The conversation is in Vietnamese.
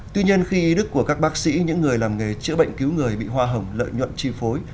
tuy nhiên khi ý đức của các bác sĩ những người làm nghề chữa bệnh cứu người bị hoa hồng lợi nhuận chi phối